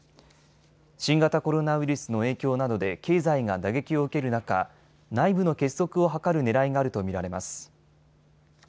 新型コロナウイルスの影響などで経済が打撃を受ける中、内部の結束を図るねらいがあると見られます。